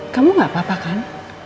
kamu gak apa apa kan